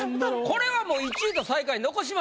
これはもう１位と最下位残しましょう。